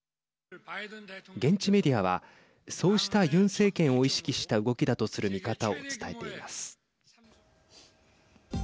現地メディアはそうしたユン政権を意識した動きだとする見方を伝えています。